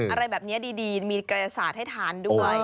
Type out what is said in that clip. อะไรแบบนี้ดีมีกายศาสตร์ให้ทานด้วย